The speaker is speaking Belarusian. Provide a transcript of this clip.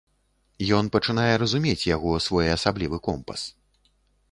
Ён пачынае разумець яго своеасаблівы компас.